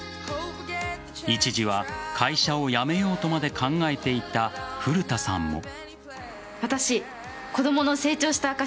一時は会社を辞めようとまで考えていた古田さんも。